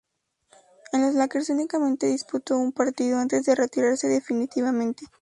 En los Lakers únicamente disputó un partido, antes de retirarse definitivamente.